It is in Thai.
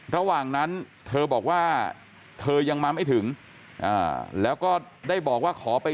ระหว่างนั้นเธอบอกว่าเธอยังมาไม่ถึงแล้วก็ได้บอกว่าขอไป